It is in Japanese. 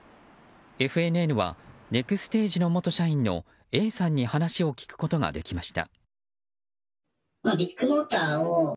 ＦＮＮはネクステージの元社員のＡさんに話を聞くことができました。